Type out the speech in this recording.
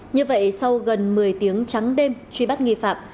như vậy sau gần một mươi tiếng trắng đêm truy bắt nghi phạm